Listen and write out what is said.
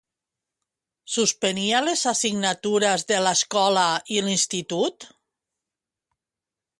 Suspenia les assignatures de l'escola i l'institut?